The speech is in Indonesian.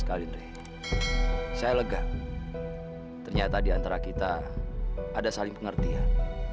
sekalindri saya lega ternyata diantara kita ada saling pengertian